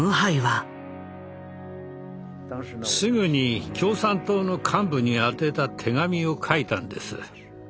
すぐに共産党の幹部に宛てた手紙を書いたんです。